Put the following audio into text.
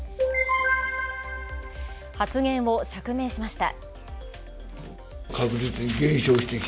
発言を釈明しました。